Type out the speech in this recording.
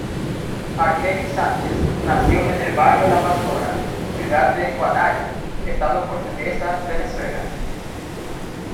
Argenis Sánchez nació en el Barrio La Pastora, ciudad de Guanare, Estado Portuguesa, Venezuela.